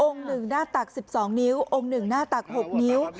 ๑หน้าตัก๑๒นิ้วองค์๑หน้าตัก๖นิ้ว